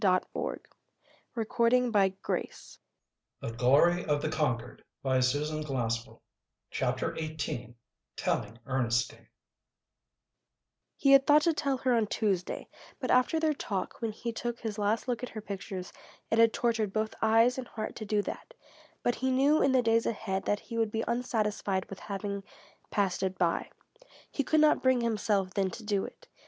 CHAPTER XVIII TELLING ERNESTINE He had thought to tell her on Tuesday, but after their talk, when he took his last look at her pictures it had tortured both eyes and heart to do that, but he knew in the days ahead that he would be unsatisfied with having passed it by he could not bring himself then to do it.